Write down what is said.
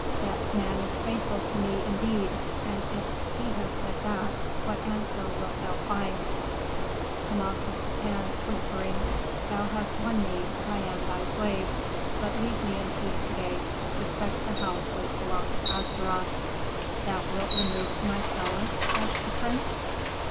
That man is faithful to me indeed. And if he has said that, what answer wilt thou find?" Kama kissed his hands, whispering, "Thou hast won me I am thy slave. But leave me in peace to day, respect the house which belongs to Astaroth." "Then thou wilt remove to my palace?" asked the prince.